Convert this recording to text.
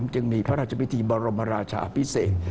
จึงมีพระราชบิทธิมารบราชาพิเศษ